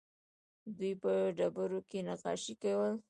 دوی په ډبرو کې نقاشي کوله